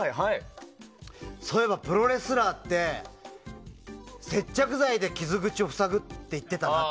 そういえばプロレスラーって接着剤で傷口を塞ぐって言ってたなと。